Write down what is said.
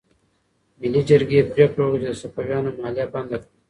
ملي جرګې پریکړه وکړه چې د صفویانو مالیه بنده کړي.